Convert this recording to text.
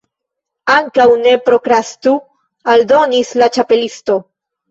"Ankaŭ ne prokrastu," aldonis la Ĉapelisto